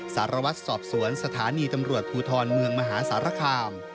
สารวัตรสอบสวนสถานีตำรวจภูทรเมืองมหาสารคาม